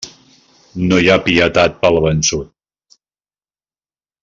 No hi ha pietat pel vençut.